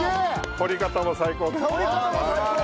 掘り方も最高です。